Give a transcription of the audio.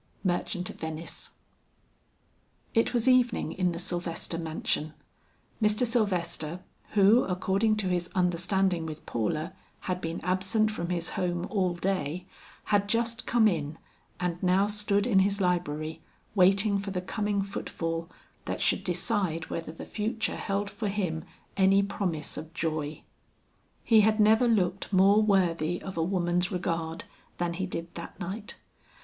MERCHANT OF VENICE. It was evening in the Sylvester mansion. Mr. Sylvester who, according to his understanding with Paula, had been absent from his home all day, had just come in and now stood in his library waiting for the coming footfall that should decide whether the future held for him any promise of joy. He had never looked more worthy of a woman's regard than he did that night.